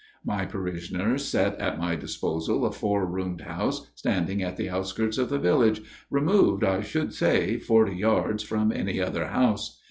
My parishioners set at my disposal a four roomed house standing at the outskirts of the village, removed, I should say, forty yards from any other house.